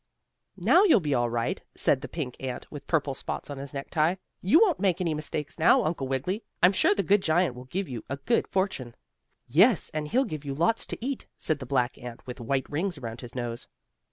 "Now you'll be all right," said the pink ant, with purple spots on his necktie. "You won't make any mistake now, Uncle Wiggily. I'm sure the good giant will give you a good fortune." "Yes, and he'll give you lots to eat," said the black ant with white rings around his nose.